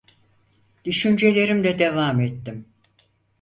Düşüncelerimde devam ettim: